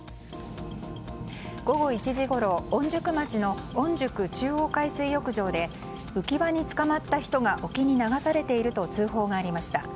午後１時ごろ、御宿町の御宿中央海水浴場で浮き輪につかまった人が沖に流されていると通報がありました。